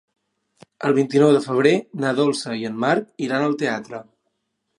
El vint-i-nou de febrer na Dolça i en Marc iran al teatre.